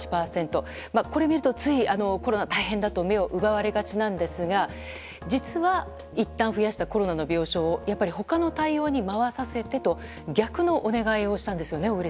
これを見るとついコロナ、大変だと目を奪われがちなんですが実は、いったん増やしたコロナの病床をやっぱり他の対応に回させてと逆のお願いをしたんですよね。